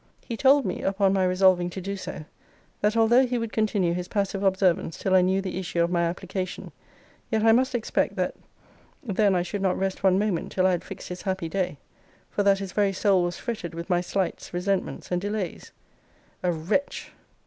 He told me, upon my resolving to do so, that although he would continue his passive observance till I knew the issue of my application, yet I must expect, that then I should not rest one moment till I had fixed his happy day: for that his very soul was fretted with my slights, resentments, and delays. A wretch!